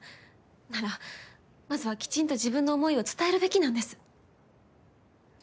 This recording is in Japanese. ならまずはきちんと自分の思いを伝えるべきなんです。